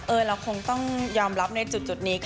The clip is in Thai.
เราคงต้องยอมรับในจุดนี้